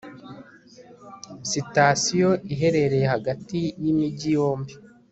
sitasiyo iherereye hagati yimijyi yombi